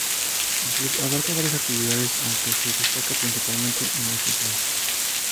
El club abarca varias actividades aunque se destaca principalmente en el fútbol.